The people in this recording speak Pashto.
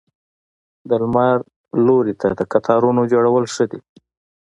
د لمر لوري ته د قطارونو جوړول ښه دي؟